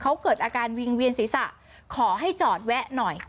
เขาเกิดอาการวิงเวียนศีรษะขอให้จอดแวะหน่อย